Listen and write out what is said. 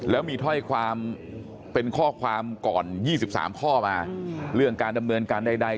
แล้วมีถ้อยความเป็นข้อความก่อน๒๓ข้อมาเรื่องการดำเนินการใด